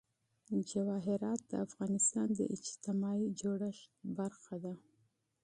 جواهرات د افغانستان د اجتماعي جوړښت برخه ده.